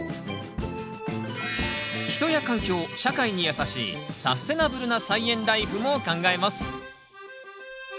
人や環境・社会にやさしいサステナブルな菜園ライフも考えます。